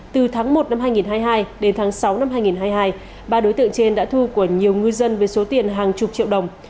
từ tháng một năm hai nghìn hai mươi hai đến tháng sáu năm hai nghìn hai mươi hai ba đối tượng trên đã thu của nhiều ngư dân với số tiền hàng chục triệu đồng